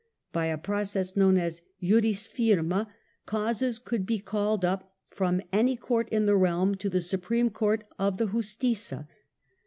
By a process known as jurisfirma, causes could be called up from any court in the realm to the supreme court of the Justiza.